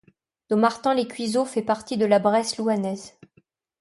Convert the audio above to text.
Dommartin-lès-Cuiseaux fait partie de la Bresse louhannaise.